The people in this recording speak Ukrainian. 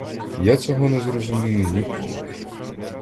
Я цього не зрозумію ніколи!